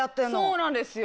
そうなんですよ。